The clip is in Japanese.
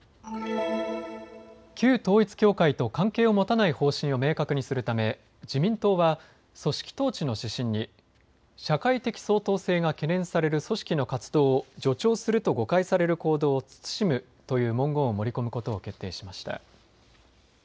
旧統一教会と関係を持たない方針を明確にするため自民党は組織統治の指針に社会的相当性が懸念される組織の活動を助長すると誤解される行動を慎むという文言を盛り込むことを決定しました。